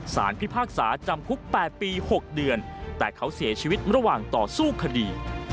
พิพากษาจำคุก๘ปี๖เดือนแต่เขาเสียชีวิตระหว่างต่อสู้คดี